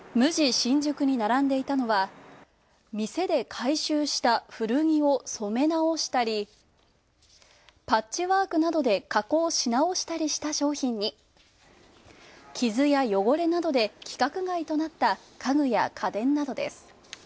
新宿に並んでいたのは店で回収した古着を染め直したりパッチワークなどで加工し直したりした商品に傷や汚れなどで規格外となった家具や家電などです。